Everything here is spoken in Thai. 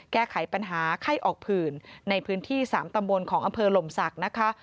แก้ไขปัญหาไข้ออกผื่นในพื้นที่๓ตำบลของอำเภอหลมศักดิ์นะคะ